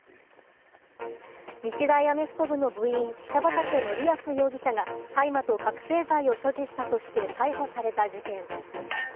日大アメフト部の部員・北畠成文容疑者が大麻と覚醒剤を所持したとして逮捕された事件。